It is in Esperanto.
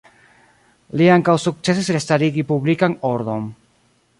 Li ankaŭ sukcesis restarigi publikan ordon.